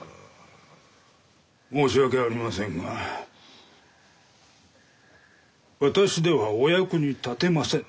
申し訳ありませんが私ではお役に立てませぬ。